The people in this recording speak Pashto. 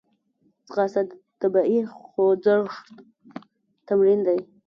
ځغاسته د طبیعي خوځښت تمرین دی